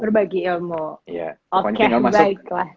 berbagi ilmu oke baiklah